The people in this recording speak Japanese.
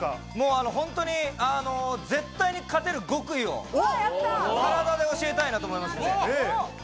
絶対に勝てる極意を体で教えたいなと思います。